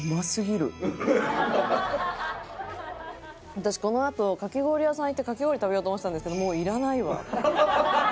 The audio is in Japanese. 私このあとかき氷屋さん行ってかき氷食べようと思ってたんですけどもういらないわ。